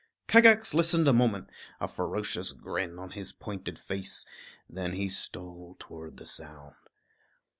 Kagax listened a moment, a ferocious grin on his pointed face; then he stole towards the sound.